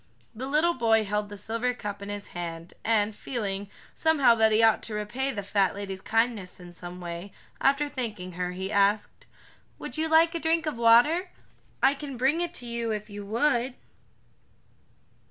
The little boy held the silver cup in his hand, and feeling, somehow, that he ought to repay the fat lady's kindness in some way, after thanking her, he asked: "Would you like a drink of water? I can bring it to you if you would."